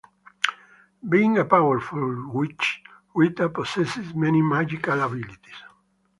Being a powerful witch, Rita possessed many magical abilities.